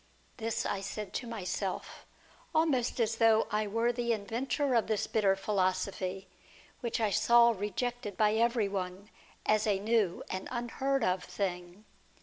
This I said to myself, almost as though I were the inventor of this bitter philosophy, which I saw rejected by every one as a new and unheard of thing.